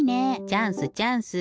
チャンスチャンス！